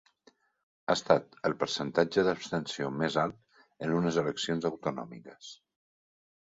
Ha estat el percentatge d'abstenció més alt en unes eleccions autonòmiques.